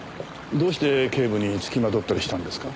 どうして警部につきまとったりしたんですか？